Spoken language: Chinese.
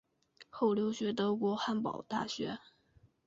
后留学德国汉堡大学。